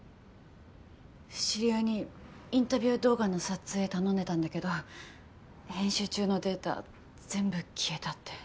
知り合いにインタビュー動画の撮影頼んでたんだけど編集中のデータ全部消えたって。